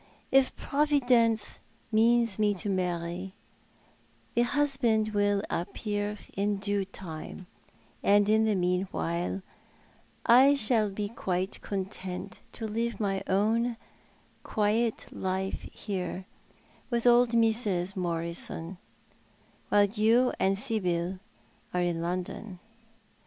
"If Providence means me to marry, the husband will appear in due time — and in the meanwhile I shall be quite content to live my own quiet life here, with old Mrs. Morisou, while you and Sibyl are in London."